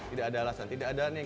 tidak ada alasan tidak ada yang